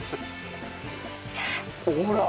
ほら！